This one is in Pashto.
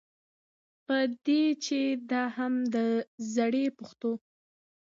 په دې چې دا هم د زړې پښتو